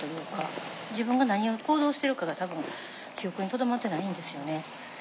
自分が何を行動してるかが多分記憶にとどまってないんですよね。